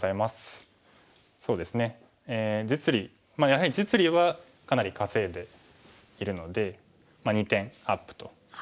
やはり実利はかなり稼いでいるので２点アップと。